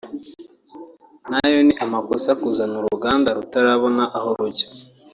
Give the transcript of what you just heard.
nayo ni amakosa kuzana uruganda rutarabona aho rujya